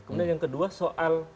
kemudian yang kedua soal